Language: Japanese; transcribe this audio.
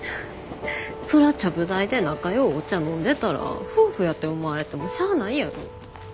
そらちゃぶ台で仲良うお茶飲んでたら夫婦やて思われてもしゃあないやろ。